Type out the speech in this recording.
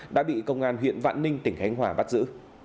đã bị công an huyện vạn ninh tỉnh khánh hòa bắt giữ